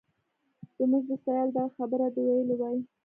زموږ د سایل دغه خبره دې ویلې وای.